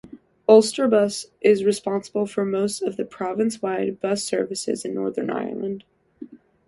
Ulsterbus is responsible for most of the province-wide bus services in Northern Ireland.